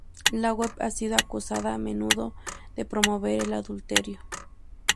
La web ha sido acusada a menudo de promover el adulterio.